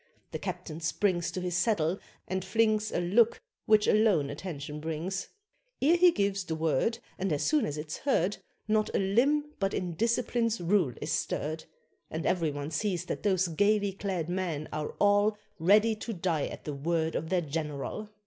The captain springs To his saddle, and flings A look which alone attention brings; Ere he gives the word, And as soon as it's heard, Not a limb but in discipline's rule is stirred, And every one sees that those gaily clad men are all Ready to die at the word of their general.